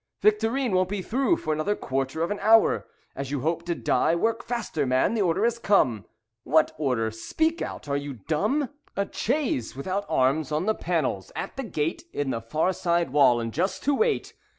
Victorine won't be through For another quarter of an hour." "As you hope to die, Work faster, man, the order has come." "What order? Speak out. Are you dumb?" "A chaise, without arms on the panels, at the gate In the far side wall, and just to wait.